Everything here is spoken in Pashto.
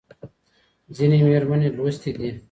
ځینې مېرمنې لوستې دي.